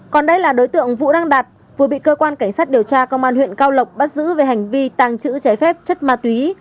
còn đây là đối tượng vũ đăng đạt vừa bị cơ quan cảnh sát điều tra công an huyện cao lộc bắt giữ về hành vi tàng trữ trái phép chất ma túy